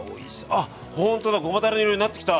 あっほんとだごまだれ色になってきた。